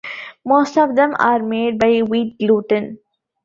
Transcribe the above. Most of them are made by wheat gluten.